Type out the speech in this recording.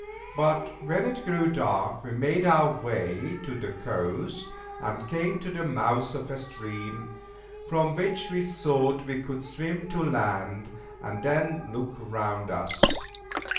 But when it grew dark we made our way to the coast, and came to the mouth of a stream, from which we thought we could swim to land, and then look round us.